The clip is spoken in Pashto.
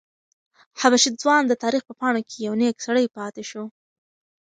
حبشي ځوان د تاریخ په پاڼو کې یو نېک سړی پاتې شو.